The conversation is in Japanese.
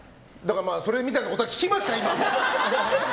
それみたいなことは聞きました、今。